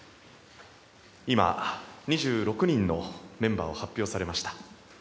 今、２６人のメンバーを発表されました。